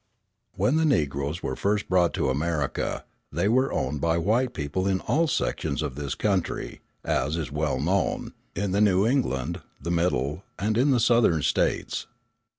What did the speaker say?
When the Negroes were first brought to America, they were owned by white people in all sections of this country, as is well known, in the New England, the Middle, and in the Southern States.